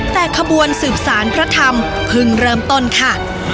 แต่ขบวนสืบสารพระธรรมเพิ่งเริ่มต้นค่ะ